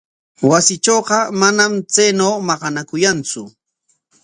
Wasiitrawqa manam chaynaw maqanakuyantsu.